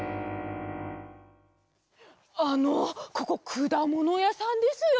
あのここくだものやさんですよね？